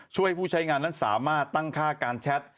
ช่วยผู้ใช้งานนั้นสามารถตั้งค่าการแชท